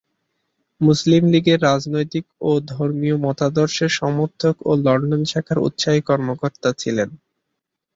মুসলিম লীগের রাজনৈতিক ও ধর্মীয় মতাদর্শের সমর্থক ও লন্ডন শাখার উৎসাহী কর্মকর্তা ছিলেন।